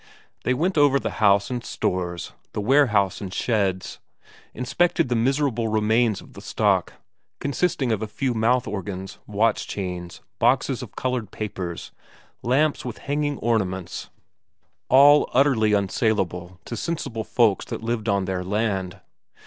They went over the house and stores, the warehouse and sheds, inspected the miserable remains of the stock, consisting of a few mouth organs, watch chains, boxes of coloured papers, lamps with hanging ornaments, all utterly unsaleable to sensible folks that lived on their land.